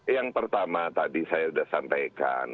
yang pertama tadi saya sudah sampaikan